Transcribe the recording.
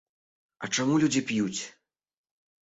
А чаму людзі п'юць?